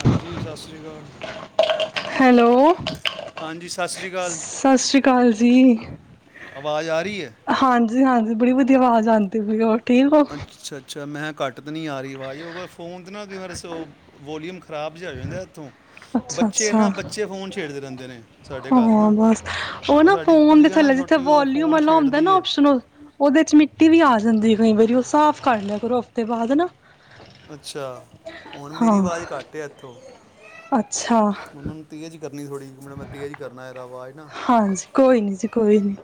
ਹਾਂਜੀ ਸਤਿ ਸ੍ਰੀ ਅਕਾਲ ਹੈਲੋ ਹਾਂਜੀ ਸਤਿ ਸ਼੍ਰੀ ਅਕਾਲ ਸਤਿ ਸ਼੍ਰੀ ਅਕਾਲ ਜੀ ਆਵਾਜ਼ ਆ ਰਹੀ ਹੈ ਜੀ ਹਾਂਜੀ ਬੜੀਧੀਆ ਆਵਾਜ਼ ਆਂਦੀ ਪਈਰ ਠੀਕ ਅੱਛਾ ਅੱਛਾ ਮੈਂ ਕਿਹਾ ਘੱਟ ਤਾਂ ਨਹੀਂ ਆ ਰਹੀ ਵਾਜ਼ ਉਹ ਫੋਨ ਨਾ ਕੀ ਵਾਰ ਸੋ ਵੋਲਯੂਮ ਖ ਖਰਾਬ ਜਿਹਾ ਹੋ ਜਾਂਦਾ ਇੱਥੋਂ। ਅੱਛਾ ਬੱਚੇ ਅੱਛਾ ਨਾ ਬੱਚੇ ਫੋਨ ਛੇੜਦੇ ਰਹਿੰਦੇ ਨੇ ਸਾਡੇ ਘਰ ਹਾਂ ਨਾ ਬਸ ਉਹ ਨਾ ਸਾਡੀ ਫੋਨ ਦੇ ਗੁੜੀਆ ਨਾ ਥੱਲੇ ਜਿੱਥੇ ਛੋਟੀ ਉਹ ਵੋਲਊਮ ਫੋਨ ਵਾਲਾ ਹਉਂਦਾ ਛੇੜਦੀ ਨਾ ਹੈ ਓਪਸ਼ਨ ਉਹਦੇ ਚ ਮਿੱਟੀ ਵੀ ਆ ਜਾਂਦੀ। ਕਈ ਵਾਰੀ ਉਹ ਸਾਫ਼ ਕਰ ਲਿਆ ਕਰੋ ਹਫ਼ਤੇ ਬਾਅਦ ਨਾ ਅੱਛਾ ਹੁਣ ਮੇਰੀ ਹਾਂ ਆਵਾਜ਼ ਘੱਟ ਐ ਇੱਥੋਂ। ਅੱਛਾ। ਥੋੜ੍ਹੀ ਮੈ ਨ ਮ ਤੇਜ਼ ਕਰਨਾ ਅਵਾਜ਼ ਨਾ। ਹਾਂਜੀ ਕੋਈ ਨੀ ਜੀ ਕੋਈ ਨੀ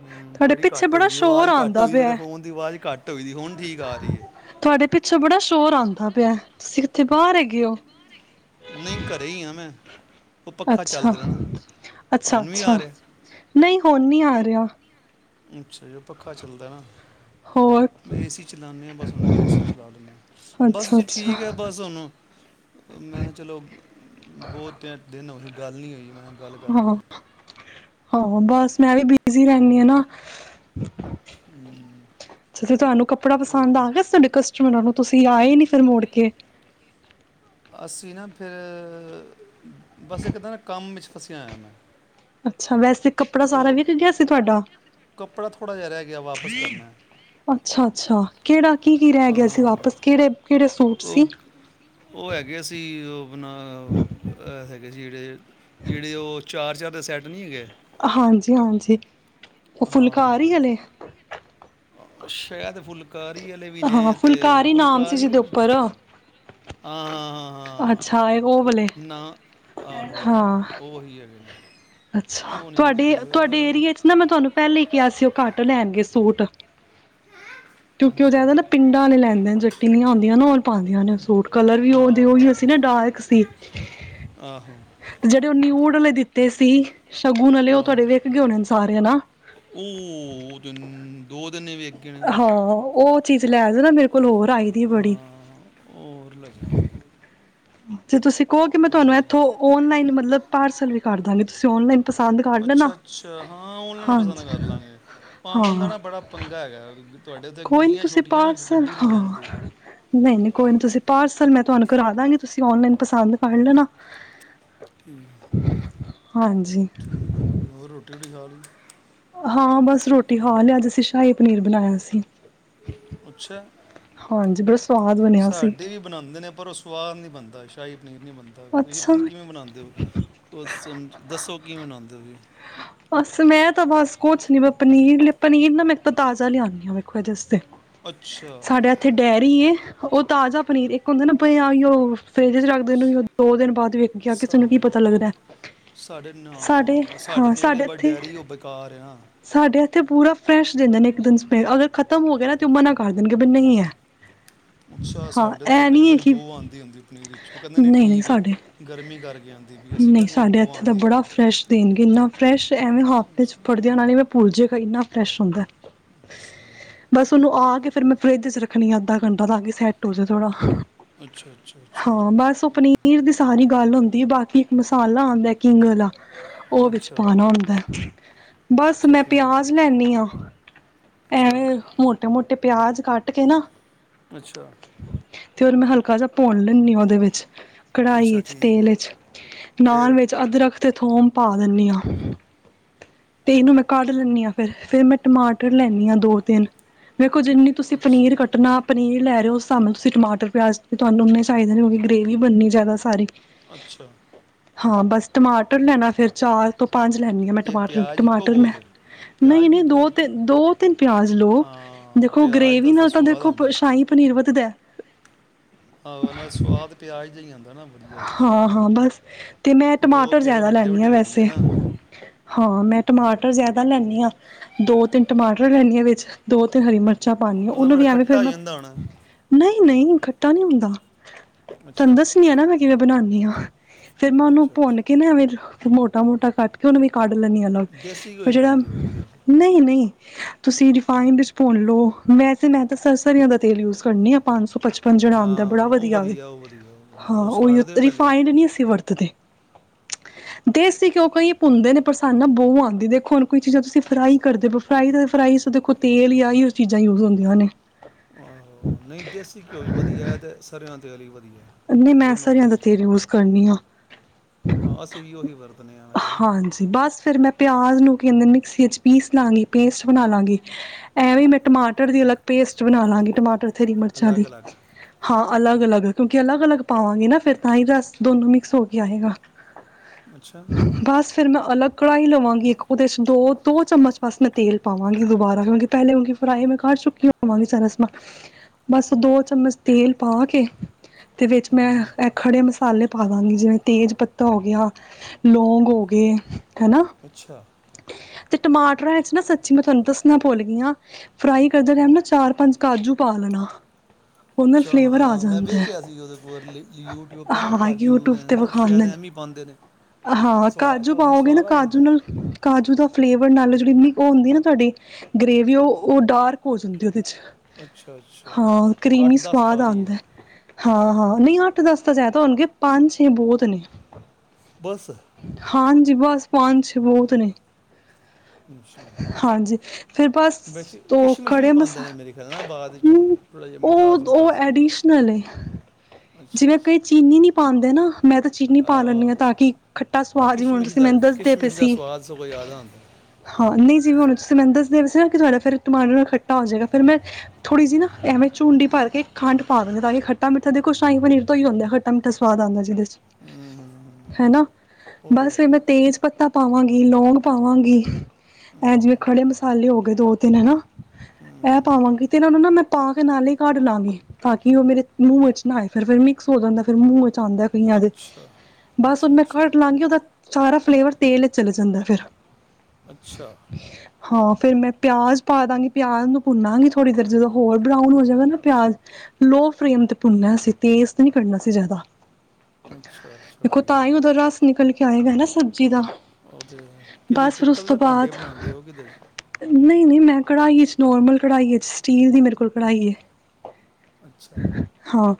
ਹਮ ਤੁਹਾਡੇ ਬੜੀ ਪਿੱਛੇ ਘੱਟ ਬੜਾ ਹੋਈ ਦੀ ਸ਼ੋਰ ਆਵਾਜ਼ ਘੱਟ ਆਉਂਦਾ ਹੋਈ ਮੇਰੇ ਪਿਆ ਫੋਨ ਦੀ ਆਵਾਜ਼ ਘੱਟ ਟ ਹੋਈ ਦੀ ਏ। ਤੁਹਾਡੇ ਪਿੱਛੋਂ ਬੜਾ ਸ਼ੋਰ ਆਉਂਦਾ ਪਿਆ ਤੁਸੀ ਤੇੇ ਬਾਹਰ ਹੈਗੇ ਐ। ਨਹੀਂ ਘਰੇ ਹੀ ਆ ਮੈਂ। ਉਹ ਪੱਖਾ ਅੱਛਾ ਚੱਲਦਾ ਰਹਿਣਾ ਅੱਛਾ ਹੁਣ ਵੀ ਅੱਛਾ ਆ ਰਿਹਾ ਨਹੀਂ। ਹੁਊਣ ਨਹੀ ਆ ਰਿਹਾ। ਅੱਛਾ ਜ ਪੱਖਾ ਚੱਲਦਾ ਹੋਰ ਨਾ ਏਸੀ ਚਲਾਉਨੇ ਹਾਂ ਬਸ ਹੁਣ ਏ ਸੀ ਚਲਾ ਦਿਨੇ ਹਾਂ ਬਸ ਜੀ ਅੱਛਾ-ਅੱਛਾ, ਠੀਕ ਹੈ ਬਸ ਹੁਣ ਮੈਂ ਹੈ ਚਲੋ ਬਹੁ ਤ ਦਿਨ ਹੋ ਗੱਲ ਨਹੀਂ ਹੋਈ ਮੈਂ ਗੱਲ ਕਰ ਲਈਏ। ਆਹੋ ਬਸ ਮੈਂ ਵੀ ਬਿਜ਼ੀ ਰਹਿੰਨੀ ਆ ਨਾ। ਹਮ ਛਾ ਤੁਹਾਨੂੰ ਕੱਪੜਾ ਤੇ ਪਸੰਦ ਆ ਗਿਆ ਸੀ ਤੁਹਾਡੇ ਕਸਟਮਰਾਂ ਨੂੰ? ਤੇ ਆਏ ਨੀ ਫਿਰ ਮੋੜ ਕੇ। ਅਸੀਂ ਨਾ ਫੇਰ ਬਸ ਇੱਕਦ ਨਾ ਕੰਮ ਚ ਫਸਿਆ ਹੋਇਆ ਮੈਂ। ਅੱਛਾ, ਵੈਸੇ ਕੱਪੜਾ ਸਾਰਾ ਉਹ ਵਿਕ ਗਿਆ ਸੀ ਤੁਹਾਡਾ? ਕੱਪੜਾ ਥੋੜ੍ਹਾ ਜਿਹਾ ਰਹਿ ਗਿਆ ਵਾਪਸ ਕਰਨਾ ਅੱਛਾ-ਅੱਛਾ ਕਿਹੜਾ ਕੀ ਕੀ ਰਹਿ ਗਿਆ ਸੀ ਹਾਂ ਵਾਪਸ ਕਿਹੜੇ ਕਿਹੜੇ ਉਹ, ਉਹ ਹੈਗੇ ਸੀ ਉਹ ਆਪਣਾ ਹੈਗੇ ਸੀ ਜਿਹੜੇ ਜਿਹੜੇ ਉਹ ਚਾਰ ਚਾਰ ਦੇ ਸੈਟ ਨਹੀਂ ਹੈਗੇ। ਹਾਂਜੀ-ਹਾਂਜੀ। ਉਹ ਫੁਲਕਾਰੀ ਆਲੇ। ਸੈ਼ਦ ਫੁੱਲ ਫੁਲਕਾਰੀ ਆਲੇ ਵੀ ਨੇ ਹਾਂ ਤੇ ਫੁਲਕਾਰੀ ਨਾਮ ਸੀ ਫੁਲਕਾਰੀੇ ਜਿਹਦੇ ਹਾਂ, ਉੱਪਰ ਹਾਂ, ਹਾਂ। ਹਾਂ, ਅੱਛਾ ਉਹ ਵਾਲੇ ਨਾ ਹਾਂ। ਆਹੋ-ਆਹੋ ਉਹੀ ਹੈਗੇ ਨੇ ਅੱਛਾ ਉਹ ਨਹੀਂ ਤੁਹਾਡੇ ਵਿਕਦੇ ਵੇ ਉਹ ਤੁਹਾਡੇ ਫਿਰ ਏਰੀਏ ਚ ਨਾ ਮੈਂ ਤੁਹਾਨੂੰ ਪਹਿਲੇ ਹੀ ਕਿਹਾ ਸੀ ਉਹ ਕੱਟ ਲੈਣਗੇ। ਸੂਟ। ਕਿਉਂਕਿ ਉਹ ਅੱਛਾ ਜ਼ਦਾ ਨਾ ਪਿੰਡਾਂ ਲੈਂਦੇ ਜੱਟੀਲੀਆਂ ਹੁੰਦੀਆਂ ਨਾ ਉਹ ਪਾਉਂਦੀਆਂ ਨੇ ਸੂਟ ਕਲਰ ਵੀ ਹਾਂ ਉਹਦੇ ਉਹੀ ਹਾਂ ਸੀ, ਨਾ ਹਾਂ ਡਾਰਕ ਸੀ, ਆਹੋ ਜਿਹੜੇ ਉਹ ਨਿਊਡ ਵਾਲੇ ਦਿੱਤੇ ਸੀ ਸੀ। ਸ਼ਗੁਨ ਵਾਲੇ ਉਹ ਆਹੋ ਤੁਹਾਡੇ ਵੇਖ ਗੇ ਹੋਣੇ ਸਾਰੇ ਹਨਾ। ਉਹ ਦਿਨ ਦੋ ਦਿਨ ਹੀ ਵਿਕ ਗਏ ਨੇ ਉਹਦੇ। ਹਾਂ ਉਹ ਚੀਜ਼ ਲੈ ਜਾ ਨਾ ਮੇਰੇ ਕਲੋਰ ਆਈ ਦੀ ਬੜੀ, ਹਾਂ ਹੋਰ ਲੈ ਜਾਵਾਂਗੇ ਜੇ ਤੁਸੀਂ ਕੋ ਕਿ ਮੈਂ ਉਹ ਵੀ ਲੈ ਤੁਹਾਨੂੰ ਜਾਵਾਂਗੇ ਇੱਥੋਂ ਆਨਲਾਈਨ ਮਤਲਬ ਪਾਰਸਲ ਵੀ ਕਰ ਦਾਂਗੇ ਤੁਸੀਂ ਆਨਲਾਈਨ ਅੱਛਾ-ਅੱਛਾ, ਹਾਂ ਆਨਲਾਇਨ ਪਸੰਦ ਹਾਂਜੀ ਕਰ ਲਾਂਗੇ ਪਾਉਣ ਦਾ ਹਾਂ ਨਾ ਬੜਾ ਪੰਗਾ ਹੈਗਾ। ਤੁਹਾਡੇ ਉੱਥੇ ਕੋਈ ਨੀ ਗਲੀਆਂ ਤੁਸੀਂ ਛੋਟੀਆਂ ਨਾ ਪਾਰਸਲ ਗੱਡੀ ਨਹੀਂ ਹਾਂ ਜਾਂਦੀ ਨਹੀਂ ਨਹੀਂ ਕੋਈ ਨੀ ਤੁਸੀਂ ਪਾਰਸਲ ਮੈਂ ਤੁਹਾਨੂੰ ਕਰਾ ਦਾਂਗੇ ਤੁਸੀਂ ਆਨਲਾਈਨ ਪਸੰਦ ਕਰ ਲੈਣਾ। [unintelligible] ਹਾਂਜੀ ਹੋਰ ਰੋਟੀ ਰੁਟੀ ਖਾ ਲਈ। ਹਾਂ ਬਸ ਰੋਟੀ ਖਾ ਲਿਆ ਅੱਜ ਅਸੀਂ ਸ਼ਾਹੀ ਪਨੀਰ ਬਣਾਇਆ ਸੀ। ਅੱਛਾ ਹਾਂਜੀ ਬੜਾ ਸਵਾਦ ਬਣਿਆ ਸੀ। ਸਾਡੇ ਵੀ ਬਣਾਉਂਦੇ ਨੇ ਪਰ ਉਹ ਸਵਾਦ ਨੀ ਬਣਦਾ। ਸ਼ਾਹੀ ਪਨੀਰ ਨੀ ਬਣਦਾ ਤੁਸੀਂ ਅੱਛਾ ਪਤਾ ਨੀ ਕਿਵੇਂ ਬਣਾਦੇ ਹੋ ਦੱਸੋ ਕੀ ਬਨਾਦੇ ਫਿਰ ਬਸ ਮੈਂ ਤਾਂ ਬਸ ਕੁਛ ਨੀ ਬ ਪਨੀਰ ਲ ਪਨੀਰ ਨਾ ਮੈਂ ਇੱਕ ਤਾਂ ਤਾਜ਼ਾ ਲਿਆਦੀ ਹਾਂ ਵੇਖੋ ਜਿਸਤੇ ਅੱਛਾ ਸਾਡੇ ਇੱਥੇ ਡੇਅਰੀ ਏ ਉਹ ਤਾਜ਼ਾ ਪਨੀਰ ਇੱਕ ਹੁੰਦਾ ਨਾ ਭਿਆ ਉਹ ਫਰਿਜ ਚ ਰੱਖਦੇ ਨ ਦੋ ਦਿਨ ਬਾਅਦ ਵੇਖ ਗਿਆ ਕਿ ਸਾ ਤੁਾਨੂੰ ਕੀ ਪਤਾ ਲੱਗਦਾ ਸਾਡੇ ਹਾਂ ਵੱ ਇੱਥੇ ਡਿਆਰੀ ਉਹ ਬੇਕਾਰ ਹੈ। ਸਾਡੇ ਇੱਥੇ ਪੂਰਾ ਫਰੈਸ਼ ਦਿੰਦੇ ਨੇ ਇੱਕ ਦਿਨ ਸਮੇ ਅਗਰ ਖਤਮ ਹੋ ਗਿਆ ਨਾ ਤੇ ਉਹ ਮਨਾ ਕਰ ਦੇਣਗੇ ਬੀ ਨਹੀਂ ਹੈ। ਅੱਛਾ ਹਾਂ ਸਾਡੇ ਤੇ ਇਹ ਕਈ ਨੀ ਹੈ ਵਾਰੀ ਕਿ ਬਹੁ ਆਦੀ ਹੁੰਦੀ ਪਨੀਰ ਉਹ ਕਹਿੰਦੇ ਨ ਨਹੀਂ ਨਹੀਂ ਠੀਕ ਹੈ ਸਾਡੇ ਗਰਮੀ ਕਰਕੇ ਆਦੀ ਪਈ ਅਸੀਂ ਕਿਹਾ ਨਹੀਂ ਸਾਡੇ ਬੋ ਇੱਥੇ ਤਾਂ ਆਦੀ ਪਈ ਬੜਾ ਹੈ। ਫਰੈਸ਼ ਦੇਣਗੇ ਇੰਨਾ ਫਰੈਸ਼ ਐਵੇਂ ਹਫ਼ਤੇ 'ਚ ਫੜਦਿਆਂ ਮੈਂ ਭੁੱਲ ਜੇਗਾ ਇੰਨਾ ਫਰੈਸ਼ ਹੁੰਦਾ। ਬਸ ਉਹਨੂੰ ਆ ਤਾਂ ਫਿਰ ਮੈ ਫਰਿੱਜ ਚ ਰੱਖਣੀ ਅੱਧਾ ਘੰਟਾ ਤਾਂ ਕਿ ਸੈਟ ਹੋ ਜੇ ਥੋੜਾ ਅੱਛਾ ਅੱਛਾ ਅੱਛਾ ਹਾਂ ਬਸ ਉਹ ਪਨੀਰ ਦੀ ਸਾਰੀ ਗੱਲ ਹੁੰਦੀ ਬਾਕੀ ਇੱਕ ਮਸਾਲਾ ਆਦਾ ਕਿੰਗ ਵਾਲਾ। ਉਹ ਅੱਛਾ ਵਿੱਚ ਅੱਛਾ ਪਾਣਾ ਹੁੰਦਾ ਐ। ਬਸ ਅੱਛਾ ਮੈਂ ਠੀਕ ਪਿਆਜ ਹੈ ਲੈਨੀ ਹਾਂ। ਅੱਛਾ ਐਵੇ ਮੋਟੇ ਮੋਟੇ ਪਿਆਜ ਅਜ ਕੱਟ ਕੇ ਨਾ ਅੱਛਾ। ਤੇ ਉਹਦੇ ਮੈਂ ਹਲਕਾ ਜਿਹਾ ਭੁੰਨ ਲੈਣੀ ਉਹਦੇ ਵਿੱਚ ਕੜਾਹੀ ਅੱਛਾ ਵਿੱਚ ਠੀਕ ਤੇਲ ਹੈ ਵਿੱਚ ਨਾਲ ਫਿਰ ਵਿੱਚ ਅਦਰਕ ਤੇ ਥੋਮ ਪਾ ਦਿੰਨੀ ਹਾਂ। ਤੇ ਇਹਨੂੰ ਮੈਂ ਕੱਢ ਲੈਂਨੀ ਹਾਂ ਫਿਰ। ਫੇਰ ਮੈਂ ਟਮਾਟਰ ਲੈਂਦੀ ਹਾਂ ਦੋ ਤਿੰਨ ਵੇਖੋ, ਜਿੰਨੀ ਤੁਸੀਂ ਅੱਛਾ ਪਨੀਰ ਕੱਟਣਾ ਪਨੀਰ ਲੈ ਰਹੇ ਹੋ ਉਸ ਸਾਹੇ ਤੁਸੀ ਟਮਾਟਰ ਪਿਆਜ ਤੁਹਾਨੂੰ ਉਨੇ ਚਾਹੀਦੇ ਨੇ। ਕਿਉਂਕਿ ਗ੍ਰੇਵ ਬਣਨੀ ਜ਼ਿਆਦਾ ਸਾਰੀ। ਅੱਛਾ। ਹਾਂ, ਬਸ ਟਮਾਟਰ ਲੈਣਾ ਫੇਰ ਚਾਰ ਤੋਂ ਪੰਜ ਲੈੈਂਨੀ ਹਾਂ ਮੈਂ ਇਹ ਟਮਾਟਰ। ਪਿਆਜ਼ ਇੱਕੋ ਮਟਰ ਮੈਂ ਬਹੁਤ ਹੈ ਪਿਆਜ਼ ਨਹੀਂ ਵੀ ਨਹੀਂ ਦੋ ਤਿੰਨ, ਦੋ ਤਿੰਨ ਪਿਆਜ ਲੋਓ। ਹਾਂ ਦੇਖੋ ਪਿਆਜ਼ ਦਾ ਗ੍ਰੇਵੀ ਨਾਲ ਤਾਂ ਸਵਾਦ ਦੇਖੋ ਆਉਂਦਾ ਹੈ। ਸ਼ਾਹੀ ਪਨੀਰ ਵੱਧਦਾ। ਆਹੋ ਨਾਲ ਸਵਾਦ ਪਿਆਜ ਦਾ ਹੀ ਆਦਾ ਨਾ ਵਧੀਆ ਵਿੱਚ। ਹਾਂ-ਹਾਂ ਬਸ ਤੇ ਮੈਂ ਦੋ ਟਮਾਟਰ ਪਿਆਜ਼ ਜ਼ਿਆਦਾ ਵੱਡੇ ਲੈਂਨੀ ਵੱਡੇ ਹਾਂ ਲੈ ਲਈਏ ਵੈਸੇ। ਨਾ ਹਾਂ, ਮੈਂ ਟਮਾਟਰ ਜਿਆਦਾ ਲੈਂਨੀ ਹਾਂ। ਦੋ ਤਿੰਨ ਟਮਾਟਰ ਲੈਂਨੀ ਹਾਂ। ਵਿੱਚ ਦੋ ਤਿੰਨ ਹਰੀ ਮਿਰਚਾਂ ਚਾ ਪਾਣੀ ਆ। ਉਹਦੇ ਨਾਲ ਉਹਨੂੰ ਫਿਰ ਵੀ ਆਂਵੇ ਖੱਟਾ ਫੇਰ ਹੋ ਮੈਂ ਜਾਂਦਾ ਹੋਣਾ। ਨਹੀਂ, ਨਹੀਂ ਖੱਟਾ ਨਹੀਂ ਹੁੰਦਾ। ਅੱਛਾ ਤੁਹਾਨੂੰ ਦੱਸਣੀ ਆ, ਨਾ ਮੈਂ ਕਿਵੇਂ ਬਣਾਨੀ ਹਾਂ। ਫੇਰ ਮੈਂ ਉਹਨੂੰ ਅੱਛਾ ਅੱਛਾ ਭੁੰਨ ਕੇ ਨਾ ਐਵੇ ਮੋਟਾ ਮੋਟਾ ਕਟ ਕੇ ਉਹਨੂੰ ਵੀ ਕੱਢ ਲੈਨੀ ਆਂ। ਦੇਸੀ ਫਿਰ ਘਿਓ ਜਿਹੜਾ ਪਾਉਂਦੇ ਹੋ ਕਿਦੇ 'ਚ ਨਹੀਂ, ਨਹੀਂ। ਤੁਸੀਂ ਰਿਫਾਈਨਡ ਵਿੱਚ ਭੁੰਨ ਲਓ। ਵੈਸੇ ਮੈਂ ਤਾਂ ਸਰਸਰੀਆਂ ਦਾ ਤੇਲ ਯੂਜ ਕਰਨੀ ਆ ਪੰਜ ਸੌ ਪੰਜੜ ਆਉਂਦਾ ਹਾਂ ਬੜਾ ਉਹ ਵਧੀਆ, ਉਹ ਵਧੀਆ ਉਹ ਵਧੀਆ ਹਾਂ ਉਹ ਉਹੀਓ ਸਾੜਦੇ ਪਹਿਲੇ ਰਿਫਾਈਡ ਨੀ ਅਸੀਂ ਵਰਤਦੇ। ਦੇਸੀ ਘਿਓ [inaudible] ਭੁੰਨਦੇ ਨੇ, ਪਰ ਸਾਨੂੰ ਨਾ ਬੋ ਆਂਦੀ। ਹਾਂ ਜੀ। ਦੇਖੋ ਹੁਣ ਕੋਈ ਚੀਜ਼ਾਂ ਤੁਸੀਂ ਫਰਾਈ ਕਰਦੇ ਫਰਾਈ ਫਰਾਈ ਦੇਖੋ ਤੇਲ ਜਾਂ ਐਹੀਓ ਚੀਜ਼ਾਂ ਯੂਜ ਹੁੰਦੀਆਂ ਨੇ। ਆਹੋ, ਨਹੀਂ ਦੇਸੀ ਘਿਓ ਵੀ ਵਧੀਆ ਤੇ ਸਰਿਯੋ ਤੇਲ ਹੀ ਵਦੀਆ। ਨਹੀਂ, ਮੈਂ ਸਰੇਯਾਂ ਦਾ ਤੇਲ ਯੂਜ ਕਰਨੀ ਆ। ਹਾਂ ਅਸੀਂ ਵੀ ਉਹੀ ਵਰਤਦੇ ਹਾਂ ਵੈਸੇ ਹਾਂਜੀ, ਬਸ ਫਿਰ ਮੈਂ ਪਿਆਜ ਨੂੰ ਮਿਕਸੀ ਵਿੱਚ ਪੀਸ ਲਾਂਗੀ ਪੇਸਟ ਬਣਾ ਲਾਂਗੀ ਐਵੇਂ ਮੈਂ ਟਮਾਟਰ ਦੀ ਅਲੱਗ ਪੇਸਟ ਬਣਾ ਲਾਂਗੀ ਟਮਾਟਰ ਹਰੀ ਮਿਰਚਾਂ ਦੀ ਅਲੱਗ ਅਲੱਗ ਹਾਂ ਅਲੱਗ ਅਲਗ ਕਿਉਂਕਿ ਅਲੱਗ ਅਲੱਗ ਪਾਵਾਂਗੇ ਨਾ ਫਿਰ ਤਾਂ ਹੀ ਦਸ ਦੋਨੋ ਮਿਕਸ ਹੋ ਕੇ ਆਏਗਾ ਅੱਛਾ ਬਸ ਫਿਰ ਮੈਂ ਅਲੱਗ ਕੜਾਹੀ ਲਵਾਂਗੀ ਇੱਕ ਉਹਦੇ ਚ ਦੋ ਦੋ ਚਮਚ ਬਸ ਮੈਂ ਤੇਲ ਪਾਵਾਂਗੀ ਦੁਬਾਰਾ ਕਿਉਂਕਿ ਪਹਿਲੇ ਕਿਉਂਕਿ ਫਰਾਈ ਮੈਂ ਕੱਢ ਚੁੱਕੀ ਹੋਵਾਂਗੀ ਸਾਰਾ ਸਮਾਨ ਬਸ ਦੋ ਚਮਚ ਤੇਲ ਪਾ ਕੇ ਤੇ ਵਿੱਚ ਹੂੰ ਮੈਂ ਹੂੰ ਇਹ ਖੜੇ ਮਸਾਲੇ ਪਾ ਦਾਂਗੀ ਜਿਵੇਂ ਤੇਜ਼ ਪੱਤਾ ਹੋ ਗਿਆ ਲੌਂਗ ਹੋ ਗਏ ਹਨਾ ਅੱਛਾ ਤੇ ਟਮਾਟਰਾਂ ਵਿੱਚ ਨਾ ਸੱਚੀ ਮੈਂ ਤੁਹਾਨੂੰ ਦੱਸਣਾ ਭੁੱਲ ਗੀ ਆਂ ਫਰਾਈ ਕਰਦਾ ਰਹਾ ਨਾ ਚਾਰ ਪੰਜ ਕਾਜੂ ਪਾ ਲੈਣਾ ਉਹ ਨਾਲ ਅੱਛਾ ਫਲੇਵਰ ਆ ਹਾਂ ਮੈਂ ਜਾਂਦੈ ਵੇਖਿਆ ਸੀ ਉਹਦ ਯੂਟਿਊਬ 'ਤੇ ਨਾ ਕਾਜੂ ਯੂਟਿਊਬ ਤੇ ਨਾ ਸ਼ਾਇਦ ਵਿਖਾਉਂਦੇ ਨੇ ਐਵੇ ਹੀ ਪਾਂਦੇ ਨੇ ਹਾਂ ਸੁਆ ਕਾਜੂ ਉਹਦੇ ਨਾਲ ਪਾਓਗੇ ਸੁਆਦ ਆ ਜਾਂਦਾ ਨਾਲੋਂ ਜਿਹੜੀ ਮ ਉਹ ਹੁੰਦੀ ਨਾ ਤੁਹਾਡੀ ਗ੍ਰੇਵੀ ਉਹ ਡਾਰਕ ਹੋ ਜਾਂਦੀ ਦੇ ਅੱਛਾ ਅੱਛਾ ਹਾਂ ਕਰੀਮੀ ਸਵਾਦ ਪਾ ਲਈਏ ਆਂਦਾ ਹਾਂ ਹਾਂ ਨਹੀਂ ਅੱਠ ਦਸ ਤਾਂ ਜ਼ਾਦਾ ਹੋਣਗੇ ਪੰਜ ਛੇ ਬਹੁਤ ਨੇ ਬਸ ਹਾਂਜੀ ਬਸ ਪੰਜ ਛੇ ਬਹੁਤ ਨੇ ਅੱਛਾ ਹਾਂਜੀ ਫਿਰ ਬਸ ਵਿੱਚ ਉਹ ਕਿਸ਼ਮਿਸ਼ ਵੀ ਖੜੇ ਪਾਉਂਦੇ ਮਸਾ ਨੇ ਮੇਰੇ ਖਿਆਲ ਨਾਲ ਬਾਅਦ ਵਿੱਚੋਂ ਥੋੜਾ ਜਿਹਾ ਮਿਠਾਸ ਉਹ ਉਹ ਮਿਠਾਸ ਐਡੀਸ਼ਨਲ ਏ ਅੱਛਾ ਜਿਵੇਂ ਅੱਛਾ ਕਈ ਚੀਨੀ ਨੀ ਪਾ ਆਂਦੇ ਨਾ ਮੈਂ ਤਾਂ ਚੀਨੀ ਪਾ ਲੈਂਦੀ ਆ, ਹਾਂ ਤਾਂ ਕਿ ਖੱਟਾ ਆ ਸੁਵਾਦ ਹੁਣ ਕਿਸ਼ਮਿਸ਼ ਤੁਸੀਂ ਦਾ ਮੈਨੂੰ ਦੱਸਦੇ ਪਏ ਕਿਸ਼ਮਿਸ਼ ਦਾ ਸੀ ਸਵਾਦ ਸਗੋਂ ਯਾਦ ਆਉਂਦਾ ਹਾਂ ਨਹੀਂ ਜੀ ਹੁਣ ਤੁਸੀਂ ਮੈਨੂੰ ਦ ਨਾ ਤੁਹਾਡਾ ਫਿਰ ਟੈਮ ਨਾਲ ਖੱਟਾ ਹੋ ਜਾਵੇਗਾ ਫਿਰ ਮੈਂ ਥੋੜ੍ਹੀ ਜਿ ਨਾ ਐਵੇਂ ਝੁੰਡੀ ਭਰ ਕੇ ਖੰਡ ਪਾ ਦਿੰਦਾ ਤਾਂ ਕਿ ਖੱ ਖੱਟਾ ਮਠਾ ਦੇਖ ਸ਼ਾਹੀ ਪਨੀਰ ਤੋਂ ਹੀ ਹੁੰਦਾ ਖੱਟਾ ਮਿੱਠਾ ਸਵਾਦ ਆਦਾ ਜਿਹਦੇ ਚ ਹੂੰ, ਹੂੰ, ਹੂੰ, ਹੂੰ। ਹਨਾ ਹੋ ਬਸ ਗਿਆ ਫਿਰ ਮੈਂ ਤੇਜ਼ ਪੱਤਾ ਪਾਵਾਂਗੀ ਲੋਂਂਗ ਪਾਵਾਂਗੀ ਇਹ ਹੂੰ, ਜਿਵੇਂ ਖੜੇ ਮਸਾਲੇ ਹੋ ਗਏ ਦੋ ਤਿੰਨ ਹਨਾ ਹੂੰ, ਇਹ ਹੂੰ। ਪਾਵਾਂਗੀ ਤੇ ਇਹਨਾਂ ਨੂੰ ਨਾ ਮੈਂ ਪਾ ਕੇ ਨਾਲ ਹੀ ਕੱਢ ਲਵਾਂਗੀ ਤਾਂ ਕਿ ਉਹ ਮੇਰੇ ਮੂੰਹ [unintelligible] ਫਿਰ-ਫਿਰ ਮਸ ਹੋ ਜਾਂਦਾ ਫਿਰ ਮੂੰਹਾਂ ਆਂਦਾ। ਈਆਂ ਦੇ ਅੱਛਾ ਬਸ ਅੱਛਾ ਮੈਂ ਅੱਛਾ ਘਟ ਲਾਂਗੀ ਉਹਦਾ ਸਾਰਾ ਫਲੇਵਰ ਤੇਲ ਚਲੇ ਜਾਂਦਾ ਫੇਰ ਅੱਛਾ, ਫੇਰ ਮੈਂ ਪਿਆਜ਼ ਪਾ ਦਾਂਗੀ ਪਿਆਜ਼ ਨੂੰ ਭੁੰਨਾਗੀ ਥੋੜ੍ਹੀ ਦੇਰ ਜਦੋਂ ਹੋਰ ਬਰਾਊਨ ਹੋ ਜਾਵੇ ਨਾ ਪਿਆਜ਼ ਲੋ। ਫਰੇਮ ਤੇ ਭੁੰਨਾ ਸੀ ਤੇਜ਼ ਤੇ ਨਹੀਂ ਕਰਨਾ ਸੀ ਜ਼ਿਆਦਾ, ਅੱਛਾ ਅੱਛਾ ਦੇਖੋ ਠੀਕ ਤਾਂ ਹੀ ਹੈ। ਉਹਦਾ ਰਸ ਨਿਕਲ ਕੇ ਟਾਈਮ ਐ ਨਾ ਸਭ, ਜੀ ਦਾ ਉਹਦੇ ਕਿਤੇ ਬਸ ਫਿਰ ਉਸ ਪਿੱਤਲ ਤੋਂ ਦੇ ਭਾਂਡੇ ਬਾਅਦ ਬਣਾਉਂਦੇ ਹੋ ਕਿਤੇ ਨਹੀਂ-ਨਹੀਂ ਮੈਂ, ਕੜਾਈ 'ਚ ਨੋਾਰਮਲ ਕੜਾਈ ਸੌਟੀਲ ਦੀ ਮੇਰੇ ਕੋਲ ਕੜਾਈ ਹੈ। ਅੱਛਾ ਹਾਂ।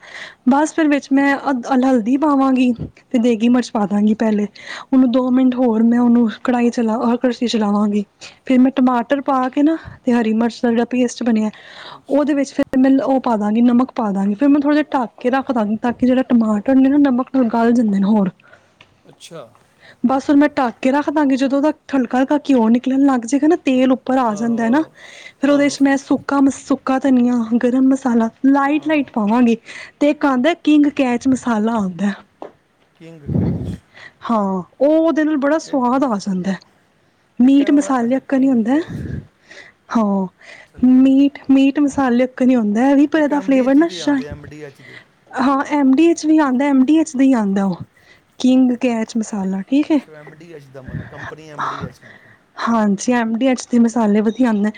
ਬਸ ਫਿਰ ਵਿੱਚ ਮੈਂ ਹਲਦੀ ਪਾਵਾਂਗੀ ਤੇ ਦੇਗੀ ਮਿਰਚ ਪਾ ਦਾਂਗੀ ਪਹਿਲੇ, ਉਹਨੂੰ ਦੋ ਮਿੰਟ ਹੋਰ ਮੈਂ ਉਹਨੂੰ ਕੜਾਹੀ ਚਲਾ ਕੜਸ਼ੀ ਚਲਾਵਾਂਗੀ, ਫੇਰ ਮੈਂ ਟਮਾਟਰ ਪਾ ਕੇ ਨਾ ਤੇ ਹਰੀ ਮਿਰਚ ਦਾ ਜਿਹੜਾ ਪੇਸਟ ਬਣਿਆ। ਉਹਦੇ ਅੱਛਾ ਵਿੱਚ ਫਿਰ ਮਤਲਬ ਉਹ ਪਾਦਾ ਗੀ ਨਮਕ ਪਾ ਦਾਗੀ, ਫਿਰ ਮੈਂ ਥੋੜ੍ਹਾ ਜਹਾ ਢੱਕ ਕੇ ਰੱਖ ਦੇਵਾਗੀ ਤਾਂ ਕਿ ਜਿਹੜਾ ਟਮਾਟਰ ਹੁੰਦੇ ਨਾ ਨਮਕ ਗਲ ਜਾਂਦੇ ਨੇ ਹੋਰ ਅੱਛਾ ਬਸ ਢੱਕ ਕੇ ਰੱਖ ਦਵਾਂਗੇ, ਜਦੋਂ ਉਹਦਾ ਹਲਕਾ-ਹਲਕਾ ਘਿਓ ਨਿਕਲਣ ਲੱਗ ਜਾਏਗਾ ਨਾ ਤੇਲ ਉੱਪਰ ਆ ਆਹੋ ਜਾਂਦਾ ਨਾ ਆਹੋ ਫਿਰ ਉਹਦੇ ਆਹੋ ਚ ਮੈਂ ਸੁੱਕਾ-ਸੁੱਕਾ ਧਨੀਆ, ਗਰਮ ਮਸਾਲਾ, ਲਾਈਟ ਆਹੋ ਲਾਈਟ ਪਾਵਾਂਗੀ ਤੇ ਇੱਕ ਆਦਾ ਕਿੰਗ ਕੈਚ ਮਸਾਲਾ ਆਦਾ। King catch. ਉਹ ਨਾਲ ਬੜਾ ਇੱਕ ਸਵਾਦ ਹ- ਆ ਜਾਂਦਾ, ਇੱਕ ਮੀਟ ਇਹਨਾਂ ਦਾ ਮਸਾਲੇ ਅੱਛਾ ਨੀ ਕਿੰਗ ਹੁੰਦਾ ਕੈਚ ਹਾਂ, ਅੱਛਾ ਠੀਕ ਹੈ ਮੀਟ-ਮੀਟ ਮਸਾਲਾ ਹਾਲੇ ਇੱਕ ਨਹੀਂ ਹੁੰਦਾ। ਮੈ ਵੀਹ ਰੁਪਏ ਇੱਕ ਦਾ। ਫ਼ਿਰ ਐਮਡੀਐਚ ਨਾ ਦੇ ਆਉਂਦੇ ਐਮਡੀਐਚ ਦੇ ਹਾਂ, ਐਮ ਡੀ ਵੀ ਆਦਾ ਐਮ ਡੀ ਐਚ ਦਾ ਹੀ ਆਦਾ, ਉਹ ਕਿੰਗ ਕੈਚ ਮਸਾਲਾ। ਠੀਕ ਹੈ। ਬਸ ਐਮ ਡੀ ਐਚ ਦਾ, ਕੰਪਨੀ ਐਮ ਡੀ ਐਚ। ਹਾਂਜੀ ਐਮ ਡੀ ਐਚ ਮਸਾਲੇ ਵਧੀਆ ਆਦੇ,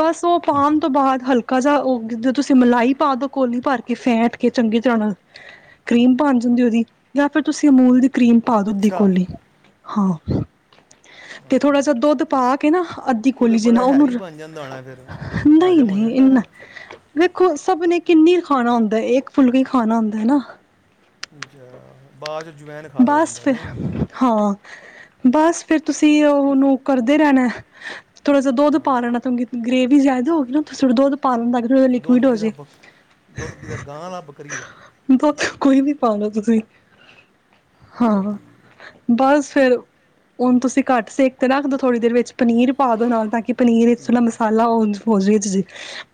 ਬਸ ਉਹ ਪਾਣ ਤੋਂ ਬਾਅਦ ਹਲਕਾ ਜਿਹਾ ਜਦ ਤੁਸੀਂ ਮਲਾਈ ਪਾ ਦੋ ਕੋਲੀ ਭਰ ਕੇ ਫੇਟ ਕੇ ਚੰਗੀ ਤਰ੍ਹਾਂ ਨਾਲ ਕਰੀਮ ਬਣ ਜਾਂਦੀ ਉਹਦੀ ਜਾਂ ਫਿਰ ਤੁਸੀਂ ਅਮੂਲ ਦੀ ਕਰੀਮ ਪਾ ਦੋ ਅੱਧੀ ਅੱਛਾ ਕੋਲੀ ਹਾਂ। ਤੇ ਹਾਂ। ਥੋੜਾ ਜਿਹਾ ਦੁੱਧ ਪਾ ਕੇ ਨਾ ਅੱਧੀ ਤੇ ਉਹਦੇ ਕੋਲੀ ਜਿੰਨਾ ਬੜਾ ਉਹਨੂੰ ਹੈਵੀ ਰ, ਬਣ ਜਾਂਦਾ ਹੋਣਾ ਫਿਰ ਨਹੀਂ ਹਜਮ ਹੋ ਨਹੀਂ ਜਾਂਦਾ ਇਨਾ ਫਿਰ ਵੇਖੋ ਆਪ ਨੇ ਕਿੰਨੀ ਖਾਣਾ ਹੁੰਦਾ ਏ, ਏਕ ਫੁਲਕਾ ਹੀ ਖਾਣਾ ਹੁੰਦਾ ਏ ਨਾ। ਅੱਛਾ ਬਾਅ ਚ ਜਵੈਨ ਖਾ ਲੇ ਬਸ ਬੰਦਾ ਫੇ, ਨਹੀਂ ਹਾਂ। ਬਸ ਫੇਰ ਤੁਸੀਂ ਓਹ ਉਹਨੂੰ ਕਰਦੇ ਰਹਿਣਾ ਐ, ਥੋੜ੍ਹਾ ਜਿਹਾ ਦੁੱਧ ਹਾਂ ਪਾ ਲੈਣਾ, ਤਾਂ ਕਿ ਗ੍ਰੇਵੀ ਜਿਆਦਾ ਹੋਗੀ ਨਾ। ਤੁਸੀਂ ਥੋੜਾ ਦੁੱਧ ਪਾ ਲੈਂਦਾ ਅ ਦੁੱਧ ਲਿਕਵਿਡ ਕਿਦਾ ਹੋਜੇ, ਬੱਕ ਦੁੱਧ ਕਿਦਾ ਗਾਂ ਦਾ ਬੱਕਰੀ ਦਾ ਦੁੱਧ ਕੋਈ ਵੀ ਪਾ ਲਉ ਤੁਸੀਂ। ਅੱਛਾ ਹਾਂ, ਠੀਕ ਹੈ ਬਸ ਫੇਰ ਓਨੂੰ ਤੁਸੀਂ ਘੱਟ ਸੇਕ ਤੇ ਰੱਖ ਦੋ ਥੋੜ੍ਹੀ ਦੇਰ ਵਿੱਚ, ਪਨੀਰ ਪਾ ਦੋ ਨਾਲ ਤਾਂ ਕਿ ਪਨੀਰ ਇਕ ਠੀਕ ਥੋੜ੍ਹਾ ਹੈ ਮਸਾਲਾ ਹੋਨ ਹੋ ਜੇ। ਜੀ।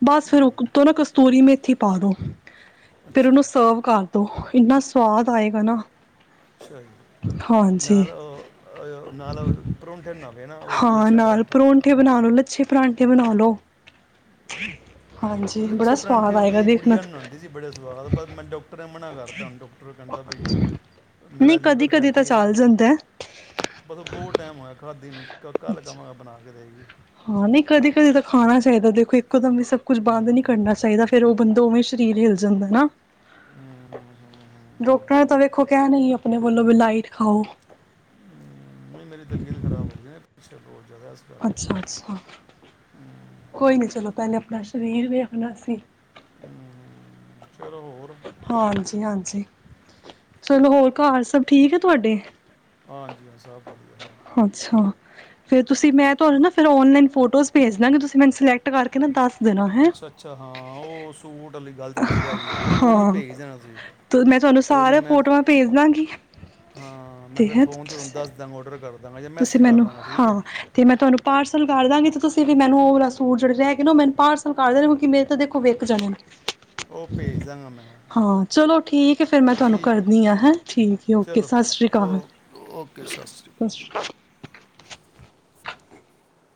ਬਸ ਫੇਰ ਠੀਕ ਉ ਕ ਹੈ। ਉੱਤੋਂ ਨਾ ਕਸਤੂਰੀ ਮੇਥੀ ਥੀ ਪਾ ਦੋ। ਫਿਰ ਅੱਛਾ ਉਹਨੂੰ ਸਰਵ ਕਰਦੋ। ਇੰਨਾ ਸਵਾਦ ਆਏਗਾ ਨਾ ਅੱਛਾ ਜੀ, ਹਾਂਜੀ ਨਾਲ ਅ-ਆ-ਅ ਉਹ ਨਾਲ ਪਰੋਂਠੇ ਬਨਾਵੇ ਹਨਾ, ਉਹ ਹਾਂ ਲੱਛਾ ਨਾਲ ਪਰਾਂਠਾ। ਪਰੌਂਠੇ ਬਣਾ ਲੋ ਲੱਛੇ ਪਰਾਂਠੇ ਬਣਾ ਲੋ। ਹਾਂਜੀ ਬੜਾ ਲੱਛੇ ਪਰਾਂਠੇ ਸਵਾਦ ਓਹ ਆਏਗਾ ਮੇਰੀ ਦੇਖਣਾ ਗੁੜੀਆ ਨੂੰ ਆਉਂਦੇ ਸੀ ਬੜੇ ਸਵਾਦ ਬਠ ਮੈਂਨੂੰ ਡਾਕਟਰ ਨੇ ਮਨਾ ਕਰਤਾ ਹੁਨ, ਡਾਕਟਰ ਕਹਿੰਦਾ ਬਈ ਮੇਰਾ ਨਹੀਂ ਕਦੀ ਲੀਵਰ ਕਦੀ ਤਾਂ ਫੈਟੀ ਐ ਨਾ। ਚੱਲ ਜਾਂਦਾ ਹੈ। ਬਸ ਬਹੁਤ ਟੈਮ ਹੋਇਆ ਖਾਦੀ ਨੂੰ, ਕੱਲ ਕਵਾਂਗਾ ਬਣਾ। ਕਰੇਗੀ। ਹਾਂ ਨਹੀਂ ਕਦੇ ਕਦੇ ਤਾਂ ਖਾਣਾ ਚਾਹੀਦਾ। ਦੇਖੋ ਇਕੋ ਦਮ ਵੀ ਸਭ ਕੁਛ ਬੰਦ ਨੀ ਕਰਨਾ ਚਾਈਦਾ। ਫੇਰ ਉਹ ਬੰਦਾ ਉਵੇਂ ਸ਼ਰੀਰ ਹੋਂਦ ਜਾ਼ਂਦਾ ਨਾ। ਡੋਕਟਰ ਨੇ ਤਾਂ ਵੇਖੋ ਕਹਿਨਾ ਹੀ ਆ, ਆਪਣੇ ਵਲੋਂ ਵੀ ਲਾਈਟ ਖਾਓ। ਨਹੀਂ ਮੇਰੀ ਤਬੀਅਤ ਖ਼ਰਾਬ ਹੋ ਗਈ ਨਾ। ਤੇ ਹੋਰ। ਅੱਛਾ ਅੱਛਾ। ਹਮ। ਕੋਈ ਨੀ ਚਲੋ ਪਹਿਲੇ ਆਪਣਾ ਸ਼ਰੀਰ ਵੇਖਣਾ ਸੀ। ਹਮ, ਚਲੋ ਹੋਰ ਹਾਂ ਜੀ ਹਾਂਜੀ। ਚਲੋ ਹੋਰ, ਘਰ ਸਭ ਠੀਕ ਐ ਤੁਆਡੇ? ਹਾਂਜੀ ਹਾਂਜੀ ਸਭ ਵਧੀਆ। ਸਭ ਅੱਛਾ ਫੇਰ ਤੁਸੀਂ ਮੈਂ ਤੁਆਨੂੰ ਨਾ ਫੇਰ ਓਨਲਾਈਨ ਫੋਟੋਜ਼ ਭੇਜ ਦਾਂਗੀ। ਤੁਸੀਂ ਮੈਨੂੰ ਸਿਲੈਕਟ ਕਰਕੇ ਨਾ ਦੱਸ ਦੇਣਾ ਹੈ ਅੱਛਾ ਅੱਛਾ ਹਾਂ ਉਹ ਸੂਟ ਲ ਗੱਲ ਤੇ ਵਿੱਚ ਰਹਿ ਗੀ ਸਾਡੀ। ਕੋਈ ਨੀ ਓ ਹਾਂ ਭੇਜ ਦੇਣਾ ਤੁਸੀਂ। ਤੇ ਮੈਂ ਤੁਹਾਨੂੰ ਕੋਈ ਨੀ, ਸਾਰਾ ਮੈਂ ਫੋਟੋਆਂ ਭੇਜ ਦਾਂਗੀ ਹਾਂ, ਮੈਂ ਫਿਰ ਫੋਨ ਤੇ ਤੁਆਨੂੰ ਦੱਸ ਦਿਆਂਗਾਂ, ਔਡਰ ਕਰ ਦਾਂਗਾ ਜਾਂ ਤੁਸੀਂ ਮੈਸੇਜ ਕਰ ਮੈਨੂੰ ਦਾਂਗਾ ਠੀਕ ਹੈ ਹਾਂ ਤੇ ਮੈਂ ਤੁਹਾਨੂੰ ਪਾਰਸਲ ਕਰ ਦਾਂਗੀ ਤੁਸੀਂ ਵੀ ਮੈਨੂੰ ਉਹ ਵਾਲਾ ਸੂਟ ਜਿਹੜੇ ਰਹਿ ਗਏ ਨਾ ਉਹ ਮੈਨੂੰ ਭਾਰ ਸਨ ਕਰ ਦੇ ਕਿ ਮੇਰੇ ਤਾਂ ਦੇਖੋ ਵਿਕ ਜਾਨੇ ਉਹ ਭੇਜ ਦਾਂਗਾ ਮੈਂ ਹਾਂ ਚਲੋ ਠੀਕ ਹੈ ਫੇਰ ਮੈਂ ਤੁਹਾਨੂੰ ਠੀਕ ਕਰਦੀ ਹਾਂ ਹੈਂ ਠੀਕ ਹੈ ਓਕੇ ਚਲੋ ਸਤਿ ਸ੍ਰੀ ਓ ਓਕੇ ਸਤਿ ਸ਼੍ਰੀ ਅਕਾਲ ਅਕਾਲ